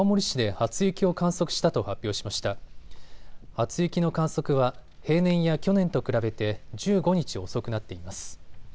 初雪の観測は平年や去年と比べて１５日遅くなっています。